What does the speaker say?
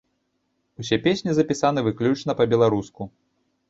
Усе песні запісаны выключна па-беларуску.